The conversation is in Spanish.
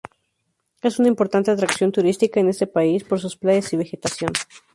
Es una importante atracción turística en ese país, por sus playas y vegetación.